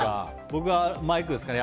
僕はマイクですかね。